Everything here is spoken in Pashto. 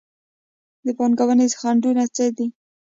د پانګونې خنډونه څه دي؟